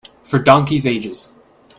For donkeys' ages.